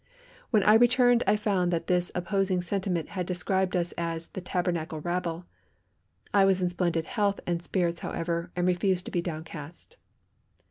When I returned I found that this opposing sentiment had described us as "the Tabernacle Rabble." I was in splendid health and spirits however, and refused to be downcast.